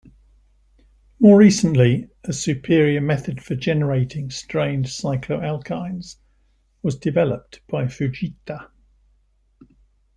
More recently, a superior method for generating strained cycloalkynes was developed by Fujita.